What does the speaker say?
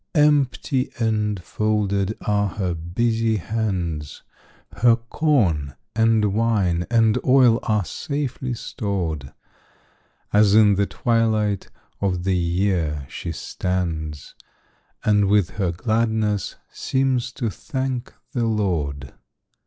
Empty and folded are her busy hands; Her corn and wine and oil are safely stored, As in the twilight of the year she stands, And with her gladness seems to thank the Lord.